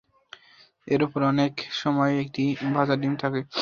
এর উপরে অনেক সময়ই একটি ভাজা ডিম থাকে।